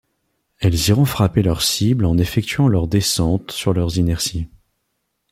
Elles iront frapper leur cible en effectuant leur descente sur leur inertie.